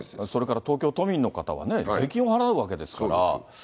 それから東京都民の方はね、税金を払うわけですから。